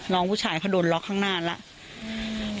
น้องผู้ชายเขาโดนล็อกข้างหน้าแล้ว